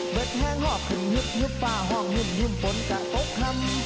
เบืดแห้งหอบขึ้นยุบยุบป่าห้องพึ่มพนกะตกถำ